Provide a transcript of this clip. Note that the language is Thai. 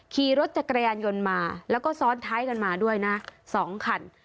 คี่รถจักรแกรนยนต์มาแล้วก็ซ้อนไทยกันมาด้วย๒ขัน